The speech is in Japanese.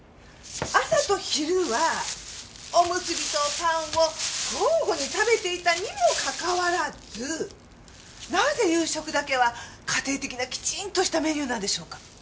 朝と昼はおむすびとパンを交互に食べていたにもかかわらずなぜ夕食だけは家庭的なきちんとしたメニューなんでしょうか？